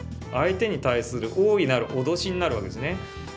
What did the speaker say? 相手に対する大いなる脅しになる訳ですね。